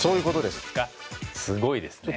すごいですね